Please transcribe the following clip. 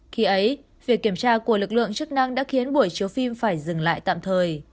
khi ấy việc kiểm tra của lực lượng chức năng đã khiến buổi chiếu phim phải dừng lại tạm thời